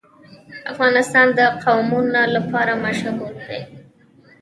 افغانستان د قومونه لپاره مشهور دی.